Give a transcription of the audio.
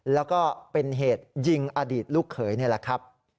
แล้วก็เป็นเหตุยิงอดีตลูกเขยนี่แหละครับ